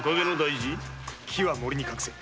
木は森に隠せ。